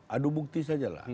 aduh bukti saja lah